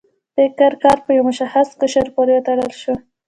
فکري کار په یو مشخص قشر پورې وتړل شو.